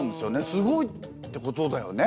すごいってことだよね